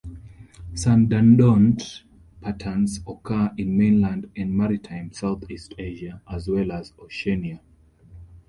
Sundadont patterns occur in mainland and maritime Southeast Asia as well as Oceania.